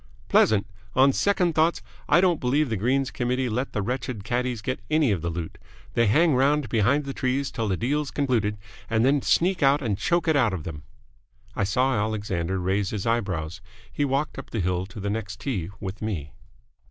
"Pleasant! On second thoughts I don't believe the Greens Committee let the wretched caddies get any of the loot. They hang round behind trees till the deal's concluded, and then sneak out and choke it out of them!" I saw Alexander raise his eyebrows. He walked up the hill to the next tee with me.